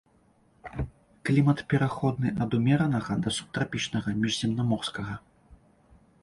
Клімат пераходны ад умеранага да субтрапічнага, міжземнаморскага.